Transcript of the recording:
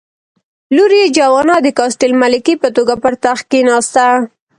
لور یې جوانا د کاسټل ملکې په توګه پر تخت کېناسته.